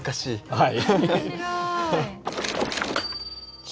はい。